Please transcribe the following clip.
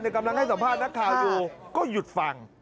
กำลังให้สัมภาษณ์นักข่าวอยู่ก็หยุดฟัง